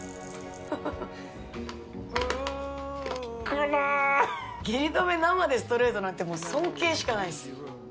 下痢止め生でストレートなんてもう尊敬しかないっす。